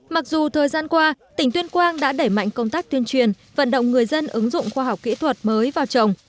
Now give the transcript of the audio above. mặc dù thời gian qua tỉnh tuyên quang đã đẩy mạnh công tác tuyên truyền vận động người dân ứng dụng khoa học kỹ thuật mới vào trồng